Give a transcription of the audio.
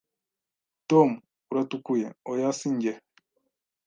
"Tom, uratukuye." "Oya si njye."